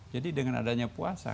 jadi dengan adanya puasa